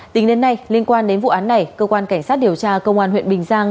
tính đến nay liên quan đến vụ án này cơ quan cảnh sát điều tra công an huyện bình giang